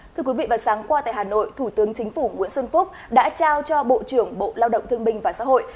thưa quý vị vào sáng qua tại hà nội thủ tướng chính phủ nguyễn xuân phúc đã trao cho bộ trưởng bộ lao động thương binh và xã hội